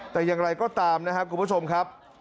แต่อย่างไรก็ตามนะครับคุณผู้ชมครับ